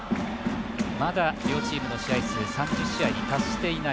まだ両チームの試合数３０試合に達していない。